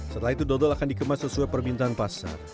setelah itu dodol akan dikemas sesuai permintaan pasar